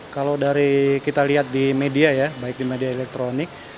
kalau dari kita lihat di media ya baik di media elektronik